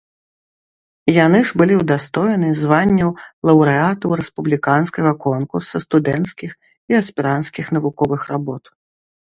Яны ж былі ўдастоены званняў лаўрэатаў рэспубліканскага конкурса студэнцкіх і аспіранцкіх навуковых работ.